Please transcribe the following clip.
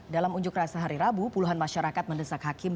dalam unjuk rasa hari rabu puluhan masyarakat mendesak hakim